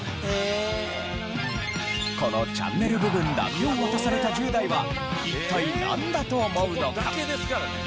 このチャンネル部分だけを渡された１０代は一体なんだと思うのか？